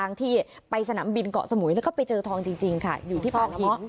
อยู่ที่ให้ฝ่าเหนาะ